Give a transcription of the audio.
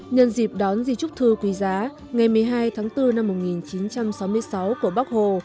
nhân dịp đón di chúc thư quý giá ngày một mươi hai tháng bốn năm một nghìn chín trăm sáu mươi sáu của bắc hồ